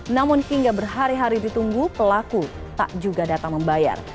namun hingga berhari hari ditunggu pelaku tak juga datang membayar